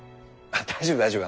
大丈夫大丈夫。